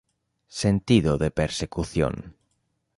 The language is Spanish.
Sentido de persecución.